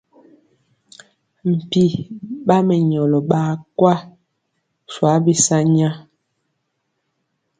Mpi ɓa mɛnyɔlɔ ɓaa kwa swa bi sanya.